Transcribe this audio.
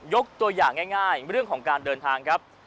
ยกตัวอย่างง่ายเรื่องของการเดินทางครับ